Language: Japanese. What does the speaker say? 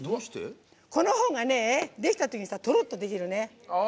このほうができたときにとろっとできるね。